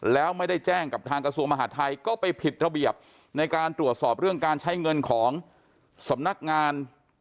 แล้วไม่ได้แจ้งกับทางกระทรวงมหาดไทยก็ไปผิดระเบียบในการตรวจสอบเรื่องการใช้เงินของสำนักงาน